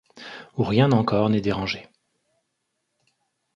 Où rien encor n'est dérangé.